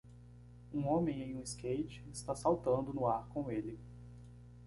Um homem em um skate está saltando no ar com ele.